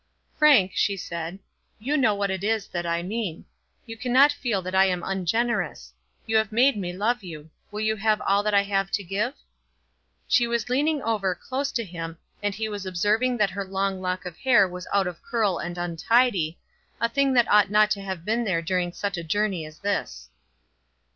"Frank," she said, "you know what it is that I mean. You cannot feel that I am ungenerous. You have made me love you. Will you have all that I have to give?" She was leaning over, close to him, and he was observing that her long lock of hair was out of curl and untidy, a thing that ought not to have been there during such a journey as this.